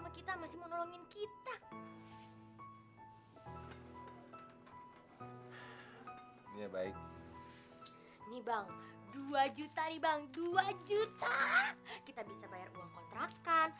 kita masih mau nolongin kita ya baik nih bang dua juta ribang dua juta kita bisa bayar uang kontrakan